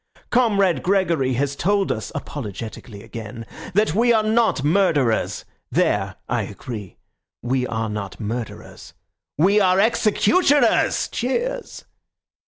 Comrade Gregory has told us (apologetically again) that we are not murderers. There I agree. We are not murderers, we are executioners (cheers)."